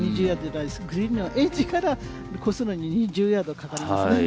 グリーンのエッジから越すのに２０ヤード、かかりますね。